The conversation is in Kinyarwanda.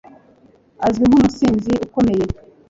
Azwi nkumusizi ukomeye